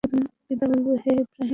পিতা বলল, হে ইবরাহীম!